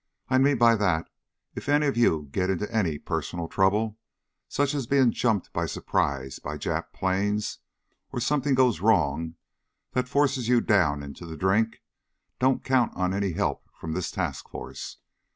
I mean by that, if any of you get into any personal trouble, such as being jumped by surprise by Jap planes, or something goes wrong that forces you down into the drink, don't count on any help from this task force.